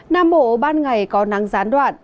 nam bộ ban ngày có nắng gián đoạn